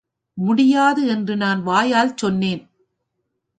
முடியாது என்று நான் வாயால் சொன்னேன்.